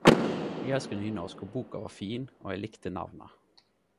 Eg elsker nynorsk og boka var fin og eg likte navna.